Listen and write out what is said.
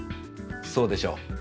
そうでしょう。